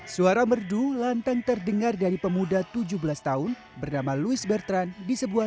suara merdu lantang terdengar dari pemuda tujuh belas tahun bernama louis bertran di sebuah